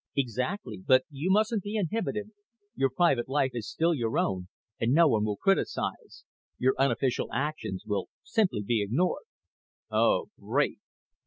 "Exactly. But you mustn't be inhibited. Your private life is still your own and no one will criticize. Your unofficial actions will simply be ignored." "Oh, great!"